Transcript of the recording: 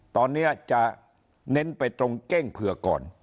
ตอนนี้จะเน้นไปตรงเก้งเผือกก่อน